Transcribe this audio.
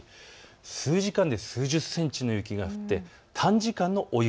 数時間で数十センチの雪が降って短時間の大雪。